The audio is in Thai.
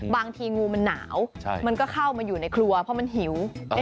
บางทีงูมันหนาวมันก็เข้ามาอยู่ในครัวเพราะมันหิว